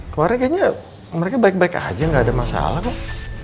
keluarga kayaknya mereka baik baik aja gak ada masalah kok